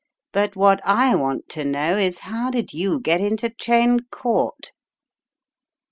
But what I want to know is how did you get into Cheyne Court?"